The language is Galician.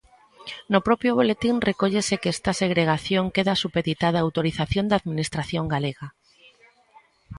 No propio boletín recóllese que esta segregación queda supeditada á autorización da administración galega.